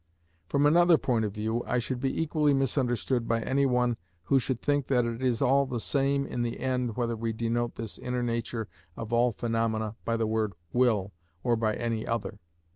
From another point of view I should be equally misunderstood by any one who should think that it is all the same in the end whether we denote this inner nature of all phenomena by the word will or by any other.